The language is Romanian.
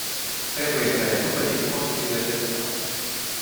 Trebuie să reducă din costurile de zbor.